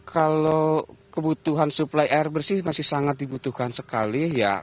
kalau kebutuhan suplai air bersih masih sangat dibutuhkan sekali